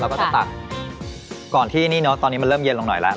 ก็จะตักก่อนที่นี่เนอะตอนนี้มันเริ่มเย็นลงหน่อยแล้ว